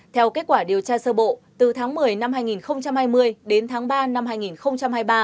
theo kết quả điều tra sơ bộ từ tháng một mươi năm hai nghìn hai mươi đến tháng ba năm hai nghìn hai mươi ba